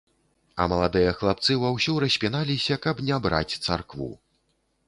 А маладыя хлапцы ва ўсю распіналіся, каб не браць царкву.